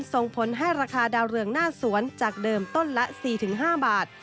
ส่งผลให้ราคาดาวเรืองหน้าสวนจากเดิมต้นละ๔๕บาท